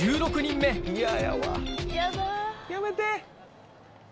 やめて。